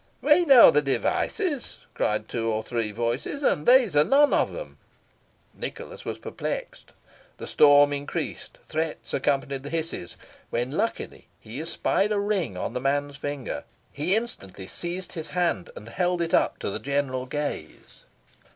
"We know the Devices," cried two or three voices, "and these are none of 'em." Nicholas was perplexed. The storm increased; threats accompanied the hisses; when luckily he espied a ring on the man's finger. He instantly seized his hand, and held it up to the general gaze.